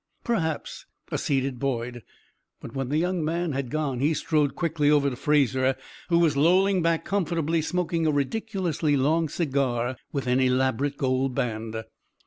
"Perhaps," acceded Boyd; but when the young man had gone he strode quickly over to Fraser, who was lolling back comfortably, smoking a ridiculously long cigar with an elaborate gold band.